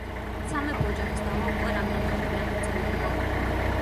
სამეფო ოჯახის დავა უკვე რამდენიმე თვეა გრძელდება.